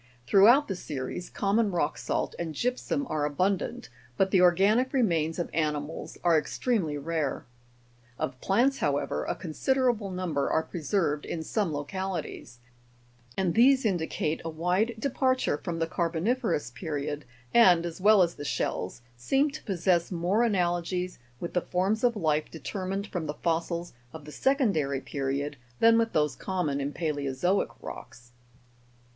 Throughout the series, common rock salt and gypsum are abundant, but the organic remains of animals are extremely rare. Of plants, how ever, a considerable number are preserved in some localities ; and Fig: 67. Volt'zia hetcro'phylla. these indicate a wide departure from the carboniferous period, and, as well as the shells, seem to possess more analogies with the forms of life determined from the fossils of the secondary period, than with those common in palae'ozoic rocks.